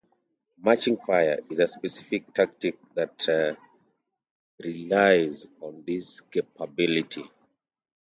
Marching fire is a specific tactic that relies on this capability.